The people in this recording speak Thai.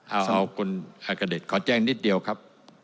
เอาคุณอากเดชขอแจ้งนิดเดียวครับ